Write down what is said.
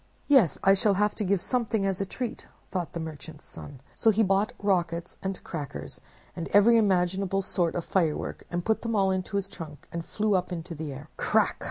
"Yes, I shall have to give something as a treat," thought the Merchant's Son. So he bought rockets and crackers, and every imaginable sort of fire work, put them all into his trunk, and flew up into the air. "Crack!"